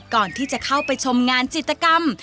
ก่อนที่จะเข้าไปชมงานจิตกรรม